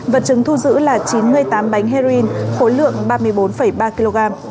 vật chứng thu giữ là chín mươi tám bánh heroin khối lượng ba mươi bốn ba kg